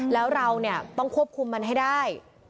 แล้วเราต้องควบคุมมันให้ได้